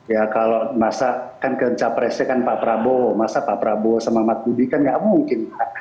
ya kalau masa kan capresnya kan pak prabowo masa pak prabowo sama mas budi kan nggak mungkin